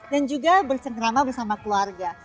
dan juga bersama keluarga